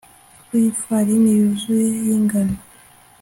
wi farini yuzuye yingano